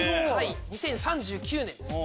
２０３９年ですね。